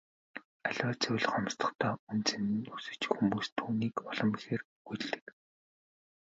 Аливаа зүйл хомсдохдоо үнэ цэн нь өсөж хүмүүс түүнийг улам ихээр үгүйлдэг.